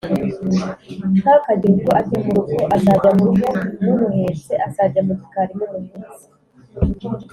ntakagire ubwo ajya mu rugo, azajya mu rugo mumuhetse, azajya mu gikari mumuhetse